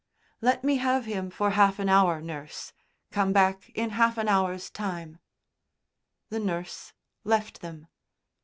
"Let me have him for half an hour, nurse. Come back in half an hour's time." The nurse left them.